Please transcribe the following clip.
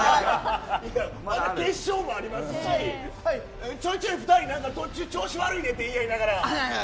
まだ決勝もありますしちょいちょい２人調子悪いねと言い合いながら。